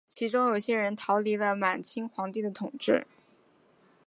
其中有些人逃离了满清皇帝的统治。